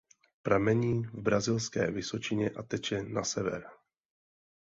Pramení v Brazilské vysočině a teče na sever.